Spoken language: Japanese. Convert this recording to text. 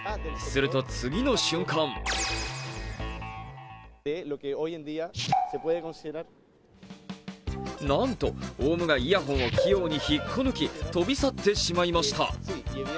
すると次の瞬間なんとオウムがイヤホンを器用に引っこ抜き飛び去ってしまいました。